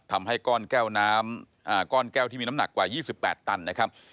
ทำให้ก้อนแก้วน้ำก้อนแก้วที่มีน้ำหนักกว่า๒๘ตันนะครับ